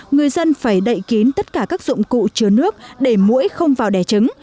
người dân phải đậy kín tất cả các dụng cụ chứa nước để mũi không vào đẻ trứng